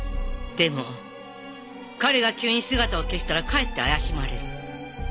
でも彼が急に姿を消したらかえって怪しまれる。